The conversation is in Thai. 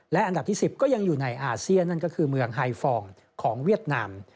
และอันดับที่๑๐ก็ยังอยู่ในอาเซียนนั่นก็คือเมืองไฮฟองของเวียดนาม